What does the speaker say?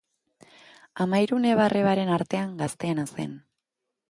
Hamahiru neba-arrebaren artean gazteena zen.